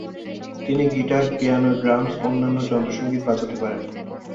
তিনি guitar, piano, drums এবং অন্যান্য সংগীত যন্ত্র বাজাতে পারেন।